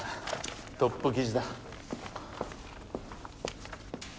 トップ記事だ。